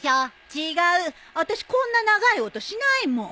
違うあたしこんな長い音しないもん。